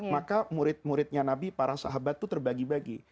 maka murid muridnya nabi para sahabat itu terbagi bagi